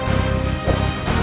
mereka mencari mati